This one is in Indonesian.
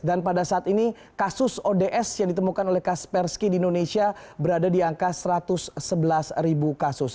dan pada saat ini kasus ods yang ditemukan oleh kaspersky di indonesia berada di angka satu ratus sebelas ribu kasus